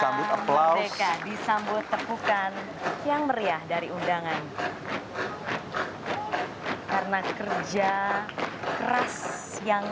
membentuk aero head formation